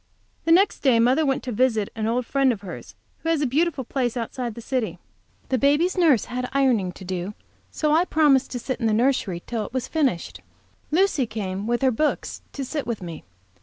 The next day mother went to visit an old friend of hers, who has a beautiful place outside of the city. The baby's nurse had ironing to do, so I promised to sit in the nursery till it was finished. Lucy came, with her books, to sit with me.